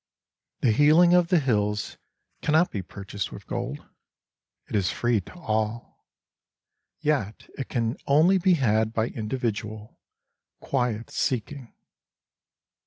The healing of the hills cannot be purchased with gold. It is free to all—yet it can only be had by individual, quiet seeking.